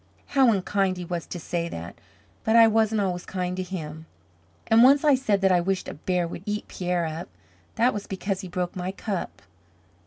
How unkind he was to say that but I wasn't always kind to him. And once I said that I wished a bear would eat Pierre up. That was because he broke my cup.